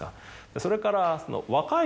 それから若い人。